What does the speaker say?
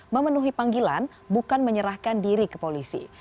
memenuhi panggilan bukan menyerahkan diri ke polisi